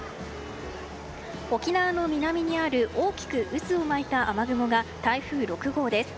沖縄の南にある大きく渦を巻いた雨雲が台風６号です。